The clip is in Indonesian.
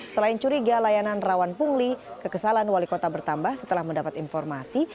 selain curiga layanan rawan pungli kekesalan wali kota bertambah setelah mendapat informasi